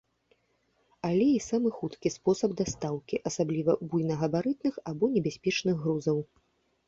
Але і самы хуткі спосаб дастаўкі, асабліва буйнагабарытных або небяспечных грузаў.